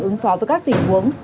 ứng phó với các tình huống